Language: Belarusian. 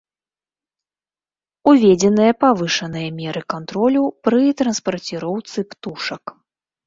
Уведзеныя павышаныя меры кантролю пры транспарціроўцы птушак.